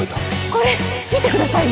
これ見てくださいよ。